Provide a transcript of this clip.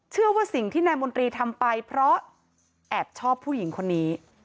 เชื่อว่าสิ่งที่นายมนตรีทำไปเพราะแอบชอบผู้หญิงคนนี้